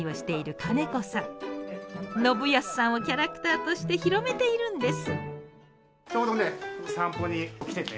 信康さんをキャラクターとして広めているんです。